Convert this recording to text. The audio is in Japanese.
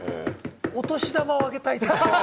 お年玉をあげたいです！